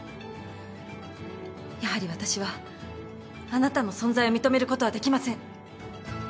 やはり私はあなたの存在を認めることはできません。